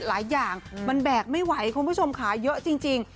หลายอย่างมันแบกไม่ไหวคุณผู้ชมค่ะเยอะจริง